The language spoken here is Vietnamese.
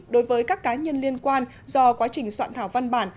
đối với các cá nhân liên quan do quá trình soạn thảo văn bản